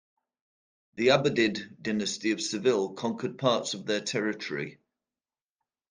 The Abbadid dynasty of Seville conquered parts of their territory.